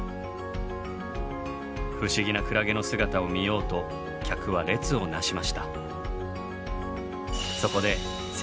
不思議なクラゲの姿を見ようと客は列を成しました。